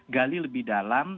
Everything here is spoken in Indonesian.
gali lebih dalam